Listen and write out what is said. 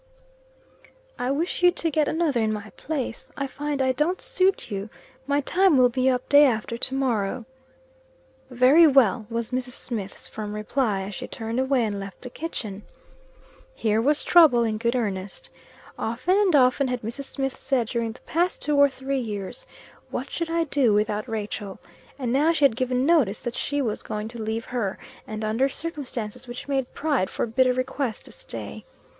"I wish you to get another in my place. I find I don't suit you. My time will be up day after to morrow." "Very well," was Mrs. Smith's firm reply, as she turned away, and left the kitchen. Here was trouble in good earnest. Often and often had Mrs. Smith said, during the past two or three years "What should I do without Rachel?" And now she had given notice that she was going to leave her, and under circumstances which made pride forbid a request to stay.